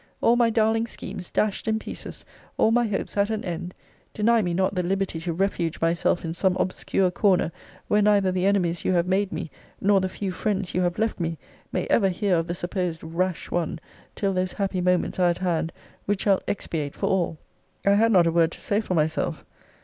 All my darling schemes dashed in pieces, all my hopes at an end; deny me not the liberty to refuge myself in some obscure corner, where neither the enemies you have made me, nor the few friends you have left me, may ever hear of the supposed rash one, till those happy moments are at hand, which shall expiate for all! I had not a word to say for myself.